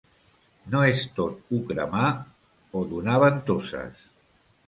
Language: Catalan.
No és tot u cremar o donar ventoses.